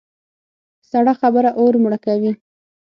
سړه خبره اور مړه کوي.